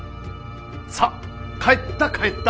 さあ帰った帰った。